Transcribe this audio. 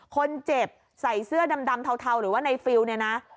คนเจ็บใส่เสื้อดำเทาหรือว่าในฟิลเนี่ยนะ